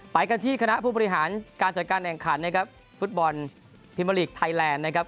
ไปกันที่คณะผู้บริหารการจัดการแข่งขันนะครับฟุตบอลพิมเมอร์ลีกไทยแลนด์นะครับ